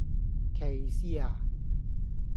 歧視呀?